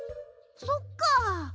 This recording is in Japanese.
そっか。